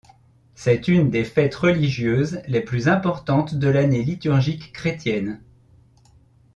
C'est une des fêtes religieuses les plus importantes de l'année liturgique chrétienne.